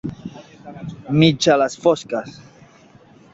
Mig a les fosques.